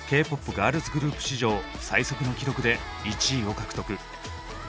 ガールズグループ史上最速の記録で１位を獲得。